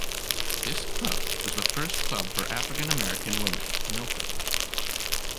This club was the first club for African American women in Oakland.